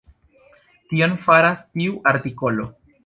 Tion faras tiu artikolo.